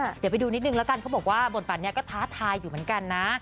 เดี๋ยวไปดูนิดนึงแล้วกันเขาบอกว่าบทบาทนี้ก็ท้าทายอยู่เหมือนกันนะ